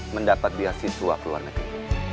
mendapat biasiswa keluar negeri